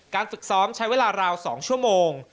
ฝึกซ้อมใช้เวลาราว๒ชั่วโมง